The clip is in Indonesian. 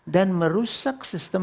dan merusak sistem